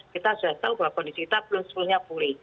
kita sudah tahu bahwa kondisi kita belum sepenuhnya pulih